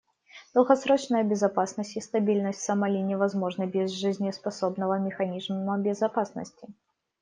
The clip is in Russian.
Долгосрочная безопасность и стабильность в Сомали невозможны без жизнеспособного механизма безопасности.